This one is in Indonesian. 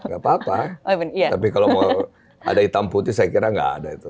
gak apa apa tapi kalau mau ada hitam putih saya kira nggak ada itu